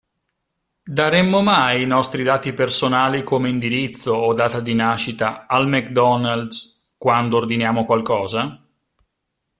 Daremmo mai i nostri dati personali come indirizzo o data di nascita al McDonald's quando ordiniamo qualcosa?